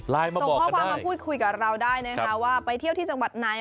ลายมาบอกกันได้ส่งความความความพูดคุยกับเราได้นะครับว่าไปเที่ยวที่จังหวัดไหน